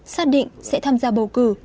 xác định sẽ tham gia bầu cử